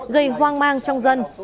gây hoang mang trong dân